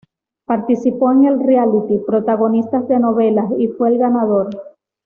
Participó en el reality "Protagonistas de novela" y fue el ganador.